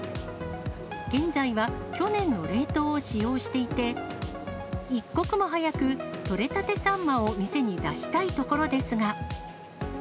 現在は去年の冷凍を使用していて、一刻も早く、取れたてサンマを店に出したいところですが。